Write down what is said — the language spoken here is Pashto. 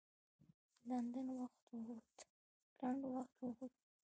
لنډ وخت ووت.